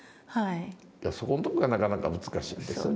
そこのところがなかなか難しいですね。